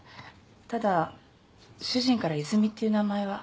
ただ主人から「いずみ」という名前は。